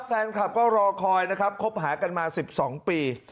แฟนคลับก็รอคอยนะครับคบหากันมา๑๒ปี